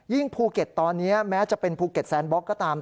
ภูเก็ตตอนนี้แม้จะเป็นภูเก็ตแซนบล็อกก็ตาม